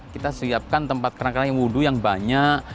kita siapkan tempat kerangkangnya wudhu yang banyak